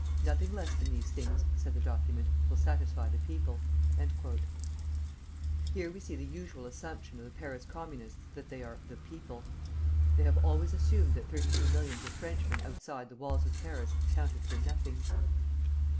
"Nothing less than these things," said the document, "will satisfy the people." Here we see the usual assumption of the Parisian Communists that they are "the people." They have always assumed that thirty two millions of Frenchmen outside the walls of Paris counted for nothing.